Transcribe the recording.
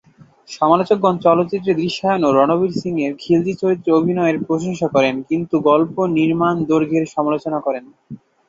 সমালোচকগণ চলচ্চিত্রের দৃশ্যায়ন ও রণবীর সিংয়ের খিলজি চরিত্রে অভিনয়ের প্রশংসা করেন, কিন্তু গল্প, নির্মাণ, দৈর্ঘ্যের সমালোচনা করেন।